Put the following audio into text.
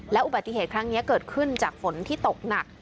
อุบัติเหตุครั้งนี้เกิดขึ้นจากฝนที่ตกหนัก